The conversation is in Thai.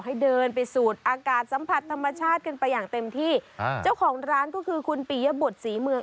ให้เดินไปสูดอากาศสัมผัสธรรมชาติกันไปอย่างเต็มที่อ่าเจ้าของร้านก็คือคุณปียบุตรศรีเมือง